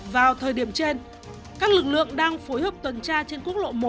vào thời điểm trên các lực lượng đang phối hợp tuần tra trên quốc lộ một